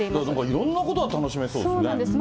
いろんなことが楽しめそうですね。